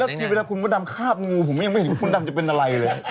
แล้วทีนี้เวลาคุณพระดำข้าบงูผมยังไม่เห็นว่าคุณพระดำจะเป็นอะไรเลย